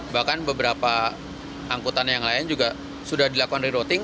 bahkan beberapa angkutan yang lain juga sudah dilakukan rerouting